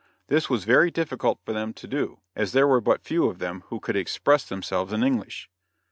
This was very difficult for them to do, as there were but few of them who could express themselves in English.